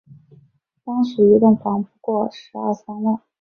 当时一栋房不过十二三万